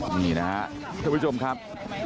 นี่นะครับท่านผู้ชมครับ